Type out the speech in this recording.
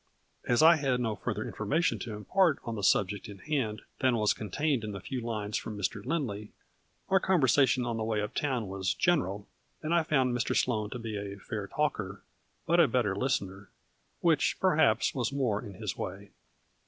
As I had no further information to impart on the subject in hand than was contained in the few lines from Mr. Lindley, our conversa tion on the way up town was general, and I found Mr. Sloane to be a fair talker, but a better listener, which, perhaps, was more in his way.